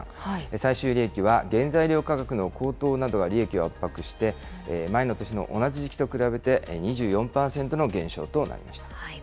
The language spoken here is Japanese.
最終利益は原材料価格の高騰などが利益を圧迫して、前の年の同じ時期と比べて２４％の減少となりました。